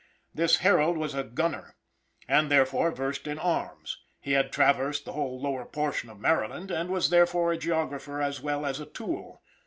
This Harold was a gunner, and therefore versed in arms; he had traversed the whole lower portion of Maryland, and was therefore a geographer as well as a tool.